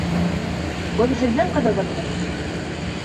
Был һеҙҙең ҡыҙығыҙмы?